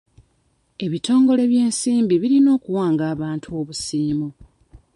Ebitongole by'ensimbi birina okuwanga abantu obusiimo.